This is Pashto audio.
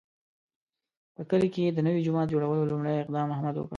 په کلي کې د نوي جومات جوړولو لومړی اقدام احمد وکړ.